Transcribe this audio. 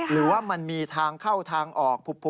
หรือว่ามันมีทางเข้าทางออก